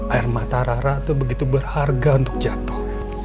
air mata rara itu begitu berharga untuk jatuh